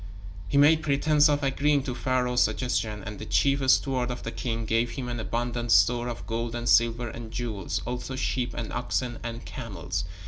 He made pretense of agreeing to Pharaoh's suggestion, and the chief steward of the king gave him an abundant store of gold and silver and jewels, also sheep and oxen and camels.